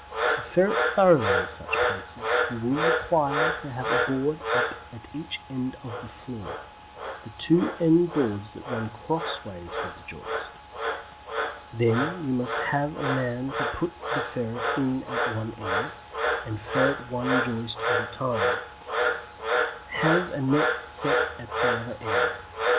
To ferret thoroughly in such places you will require to have a board up at each end of the floor: the two end boards that run crossways with the joist; then you must have a man to put the ferret in at one end, and ferret one joist at a time; have a net set at the other end.